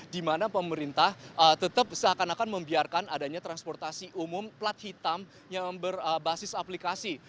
di mana pemerintah tetap seakan akan membiarkan adanya transportasi umum plat hitam yang berbasis aplikasi